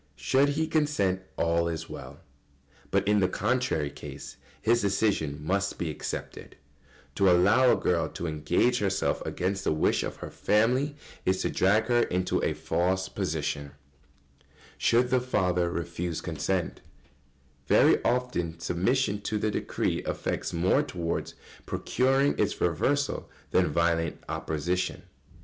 Should he consent, all is well; but in the contrary case, his decision must be accepted. To allow a girl to engage herself against the wish of her family [Sidenote: Should the father refuse consent.] is to drag her into a false position. Very often submission to the decree effects more towards procuring its reversal than violent opposition.